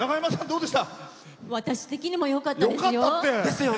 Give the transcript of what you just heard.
私的にもよかったですよ。